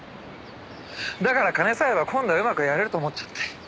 だから金さえあれば今度はうまくやれると思っちゃって。